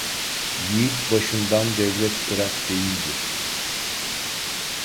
Yiğit başından devlet ırak değildir.